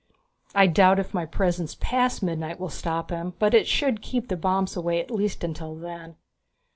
I doubt if my presence past midnight will stop him, but it should keep the bombs away at least until then."